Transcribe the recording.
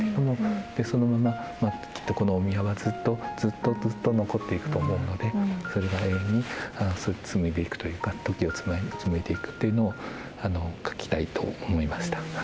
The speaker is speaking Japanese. そのままきっとこのお宮はずっとずっとずっと残っていくと思うのでそれが永遠に紡いでいくというか時を紡いでいくっていうのを描きたいと思いました。